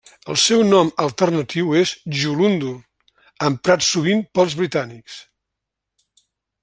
El seu nom alternatiu és Jullundur emprat sovint pels britànics.